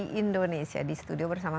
di indonesia di studio bersama